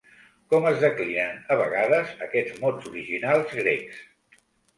Com es declinen a vegades aquests mots originals grecs?